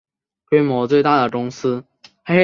规模最大的公司